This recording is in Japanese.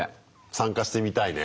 参加してみたいね。